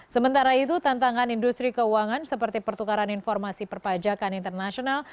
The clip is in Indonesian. sementara itu tantangan industri keuangan seperti pertukaran informasi perpajakan internasional